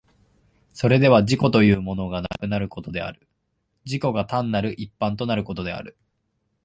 それでは自己というものがなくなることである、自己が単なる一般となることである。